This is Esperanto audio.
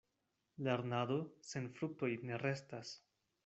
Lernado sen fruktoj ne restas.